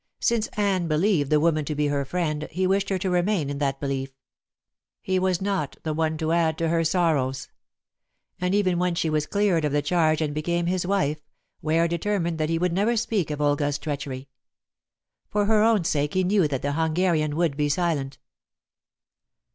Since Anne believed the woman to be her friend, he wished her to remain in that belief. He was not the one to add to her sorrows. And even when she was cleared of the charge and became his wife Ware determined that he would never speak of Olga's treachery. For her own sake he knew that the Hungarian would be silent.